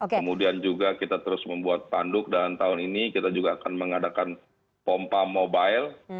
kemudian juga kita terus membuat panduk dan tahun ini kita juga akan mengadakan pompa mobile